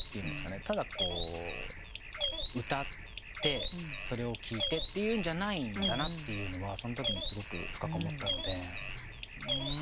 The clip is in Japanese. ただ歌ってそれを聴いてっていうんじゃないんだなとはそのときにすごく深く思ったので。